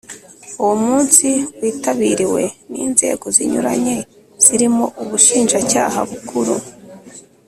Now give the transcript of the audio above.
Uwo munsi witabiriwe n Inzego zinyuranye zirimo Ubushinjacyaha Bukuru